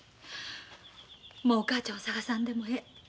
もうお母ちゃんを捜さんでもええ。